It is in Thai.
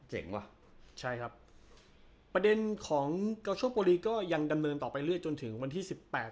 ว่ะใช่ครับประเด็นของเกาโชบุรีก็ยังดำเนินต่อไปเรื่อยจนถึงวันที่สิบแปด